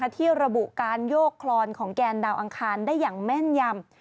ที่ระบุการโยกคลอนของแกนดาวอังคารได้อย่างแม่นยำ